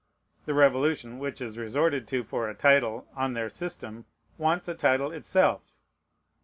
The Revolution, which is resorted to for a title, on their system, wants a title itself.